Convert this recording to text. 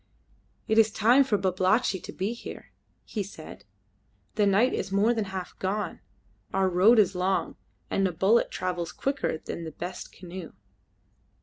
"It is time for Babalatchi to be here," he said. "The night is more than half gone. Our road is long, and a bullet travels quicker than the best canoe."